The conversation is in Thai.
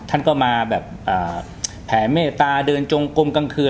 ท่านก็มาแบบแผ่เมตตาเดินจงกลมกลางคืน